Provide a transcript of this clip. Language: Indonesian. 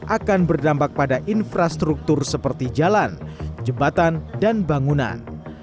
akan berdampak pada infrastruktur seperti jalan jembatan dan bangunan